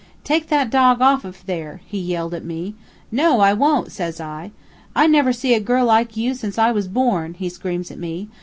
'Take that dog off of there!' he yelled at me. 'No, I wont, says I. 'I never see a girl like you since I was born,' he screams at me.